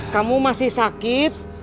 kamu masih sakit